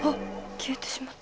消えてしまった。